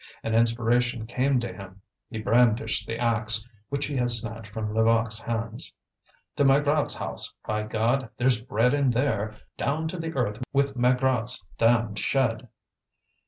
An inspiration came to him; he brandished the axe, which he had snatched from Levaque's hands. "To Maigrat's house, by God! there's bread in there! Down to the earth with Maigrat's damned shed!"